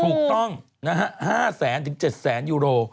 ถูกต้องนะฮะ๕๐๐๗๐๐ยูโร